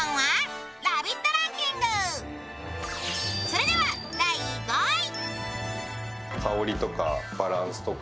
それでは第５位。